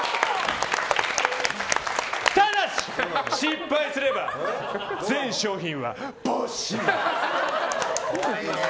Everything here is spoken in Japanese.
ただし、失敗すれば全商品は没収！